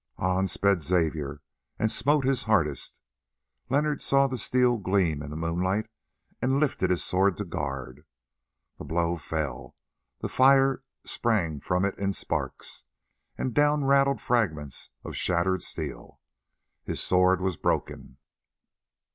On sped Xavier and smote his hardest: Leonard saw the steel gleam in the moonlight and lifted his sword to guard. The blow fell, fire sprang from it in sparks, and down rattled fragments of shattered steel. His sword was broken.